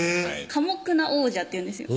寡黙な王者っていうんですよ